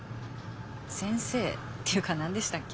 先生？っていうか何でしたっけ？